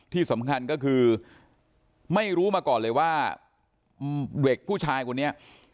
ที่สำคัญก็คือไม่รู้มาก่อนเลยว่าเด็กผู้ชายคนนี้